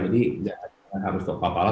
jadi tidak hanya untuk lokapala